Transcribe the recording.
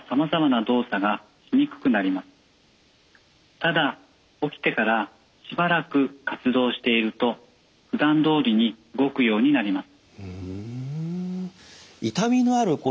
ただ起きてからしばらく活動しているとふだんどおりに動くようになります。